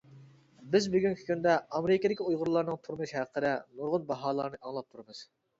بىز بۈگۈنكى كۈندە ئامېرىكىدىكى ئۇيغۇرلارنىڭ تۇرمۇشى ھەققىدە نۇرغۇن باھالارنى ئاڭلاپ تۇرىمىز.